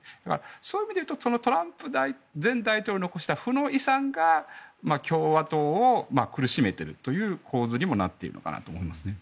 そういう意味で言うとトランプ前大統領が残した負の遺産が共和党を苦しめているという構図にもなっているのかなと思いますね。